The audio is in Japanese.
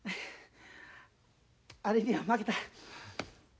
あれには負けた。